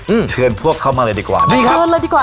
อืมเชิญพวกเข้ามาเลยดีกว่านะครับเดี๋ยวเชิญเลยดีกว่าค่ะ